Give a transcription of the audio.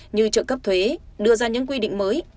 như trợ cấp thuế đưa ra những quy định mới